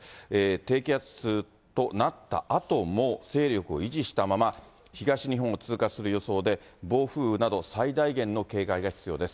低気圧となったあとも勢力を維持したまま、東日本を通過する予想で、暴風など、最大限の警戒が必要です。